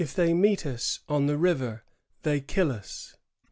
they meet us on the river, they kill us.